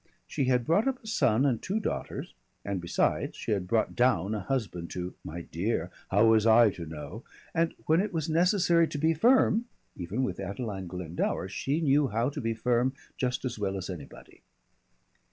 She had brought up a son and two daughters, and besides she had brought down a husband to "My dear, how was I to know?" and when it was necessary to be firm even with Adeline Glendower she knew how to be firm just as well as anybody.